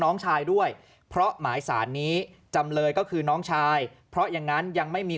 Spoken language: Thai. น้องชายด้วยเพราะหมายสารนี้จำเลยก็คือน้องชายเพราะอย่างนั้นยังไม่มี